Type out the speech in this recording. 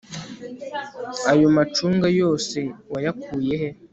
Ayo macunga yose wayakuye he